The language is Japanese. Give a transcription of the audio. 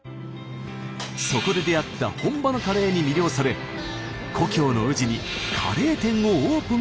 そこで出会った本場のカレーに魅了され故郷の宇治にカレー店をオープンさせました。